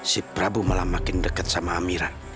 si prabu malah makin dekat sama amira